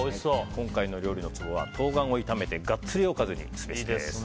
今回の料理のツボは冬瓜を炒めてガッツリおかずにすべしです。